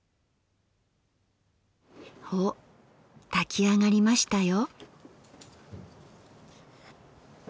お炊きあがりましたよ。